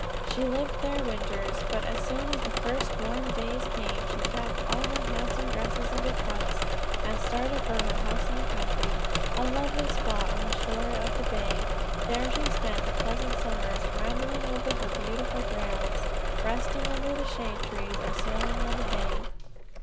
She lived there winters, but as soon as the first warm days came she packed all her handsome dresses into her trunks, and started for her house in the country, a lovely spot on the shore of the bay. There she spent the pleasant summers, rambling over her beautiful grounds, resting under the shade trees, or sailing on the bay.